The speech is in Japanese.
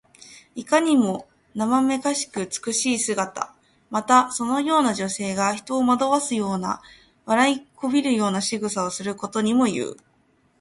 いかにもなまめかしく美しい姿。また、そのような女性が人を惑わすような、笑いこびるしぐさをすることにもいう。